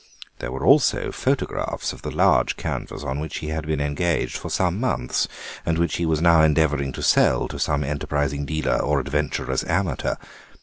There were also photographs of the large canvas on which he had been engaged for some months, and which he was now endeavouring to sell to some enterprising dealer or adventurous amateur.